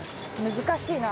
難しいな。